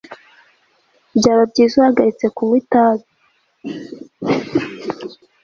Byaba byiza uhagaritse kunywa itabi